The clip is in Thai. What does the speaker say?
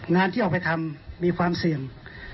งานที่ออกไปทำมีความเสี่ยง